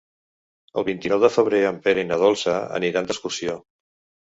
El vint-i-nou de febrer en Pere i na Dolça aniran d'excursió.